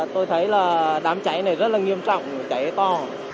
tôi thấy là đám cháy này rất là nghiêm trọng cháy to